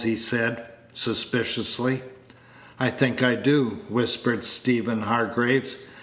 he said, suspiciously. "I think I do," whispered Stephen Hargraves.